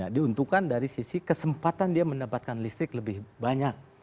diuntungkan dari sisi kesempatan dia mendapatkan listrik lebih banyak